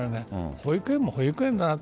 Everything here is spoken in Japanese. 保育園も保育園だなと。